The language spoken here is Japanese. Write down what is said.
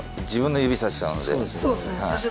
そうですね。